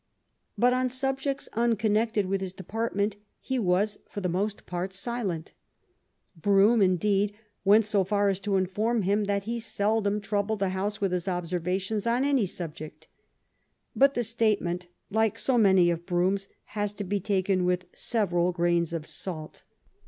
But on subjects unconnected with his depart ment he was for the most part silent. Brougham, in deed, went so far as to inform him that he seldom troubled the House with his observations on any sub ject; but the statement, like so many of Brougham's, has to be taken with several grains of salt.